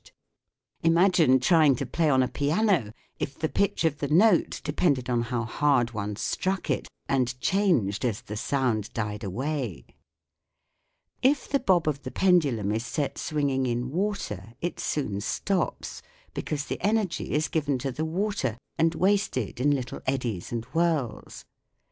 SOUND IN MUSIC 41 Imagine trying to play on a piano if the pitch of the note depended on how hard one struck it, and changed as the sound died away ! If the bob of the pendulum is set swinging in water it soon stops, because the energy is given to the water and wasted in little eddies and whirls.